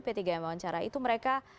p tiga m wawancarai itu mereka